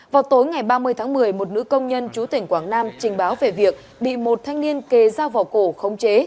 vào tối ngày ba mươi tháng một mươi một nữ công nhân chú tỉnh quảng nam trình báo về việc bị một thanh niên kề dao vào cổ không chế